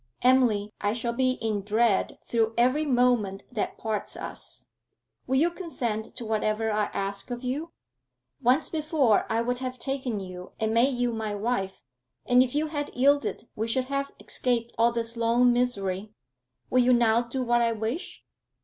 'Emily, I shall be in dread through every moment that parts us. Will you consent to whatever I ask of you? Once before I would have taken you and made you my wife, and if you had yielded we should have escaped all this long misery. Will you now do what I wish?'